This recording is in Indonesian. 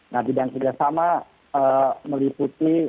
nah bidang kerjasama meliputi